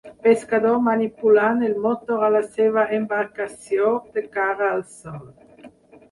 Pescador manipulant el motor a la seva embarcació, de cara al sol.